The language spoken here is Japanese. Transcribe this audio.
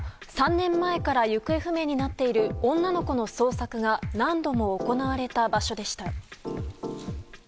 ３年前から行方不明になっている女の子の捜索が何度も行われた場所でした。